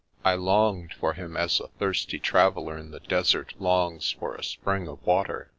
I longed for him as a thirsty trav eller in the desert longs for a spring of water.